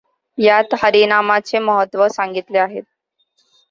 यात हरिनामाचे महत्त्व सांगितले आहे.